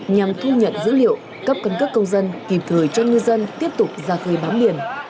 nhằm thu nhận dữ liệu cấp cân cước công dân kịp thời cho ngư dân tiếp tục ra khơi bám biển